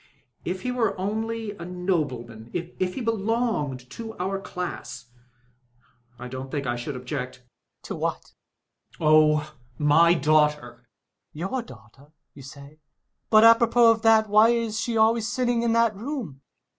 ... If he were only a nobleman — ^if he belonged to our class, I don't think I should object. ... Hummel. To what ? Colonel. Oh, my daughter Hummel. Your daughter, you say ?— ^But apropos of that, why is she always sitting in that room